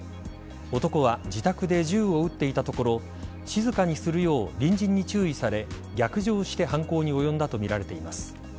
男は自宅で銃を撃っていたところ静かにするよう隣人に注意され逆上して犯行に及んだとみられています。